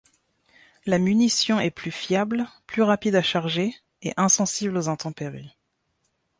La munition est plus fiable, plus rapide à charger et insensible aux intempéries.